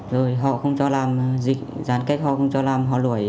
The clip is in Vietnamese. rồi họ không cho làm dịch giãn cách họ không cho làm họ lui